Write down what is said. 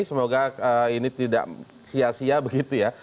semoga ini tidak sia sia begitu ya